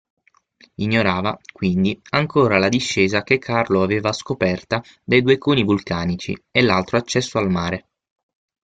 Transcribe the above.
Ignorava, quindi, ancora la discesa che Carlo aveva scoperta dai due coni vulcanici e l'altro accesso al mare.